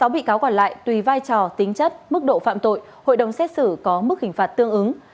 sáu bị cáo còn lại tùy vai trò tính chất mức độ phạm tội hội đồng xét xử có mức hình phạt tương ứng